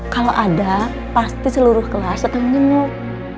kalau ada pasti seluruh kelas datang menemuk